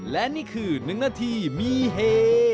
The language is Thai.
และนี่คือ๑นาทีมีเฮ